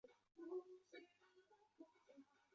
从古代开始埃及的文明就依靠尼罗河而形成和兴旺。